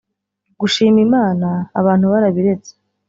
gushima Imana… abantu barabiretse